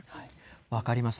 分かりました。